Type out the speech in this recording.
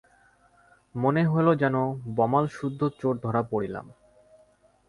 মনে হইল, যেন বমালসুদ্ধ চোর ধরা পড়িলাম।